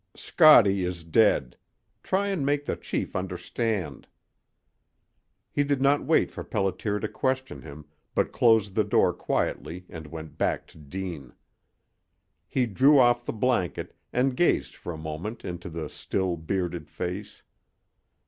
"Scottie is dead. Try and make the chief understand," He did not wait for Pelliter to question him, but closed the door quietly and went back to Deane. He drew off the blanket and gazed for a moment into the still, bearded face.